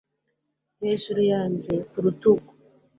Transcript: hejuru yanjye, ku rutugu